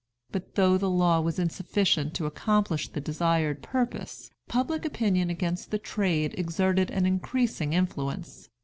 But though the law was insufficient to accomplish the desired purpose, public opinion against the trade exerted an increasing influence.